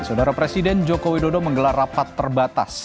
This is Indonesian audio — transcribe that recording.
saudara presiden joko widodo menggelar rapat terbatas